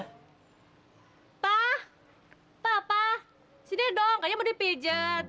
hai pak papa sini dong aja mau dipijat